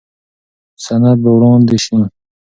سند به وړاندې شي.